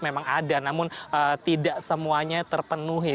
memang ada namun tidak semuanya terpenuhi